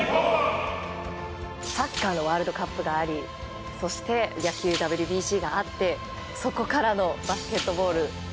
サッカーのワールドカップがありそして、野球ＷＢＣがあってそこからのバスケットボール。